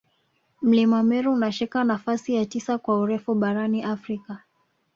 Mlima Meru unashika nafasi ya tisa kwa urefu barani Afrika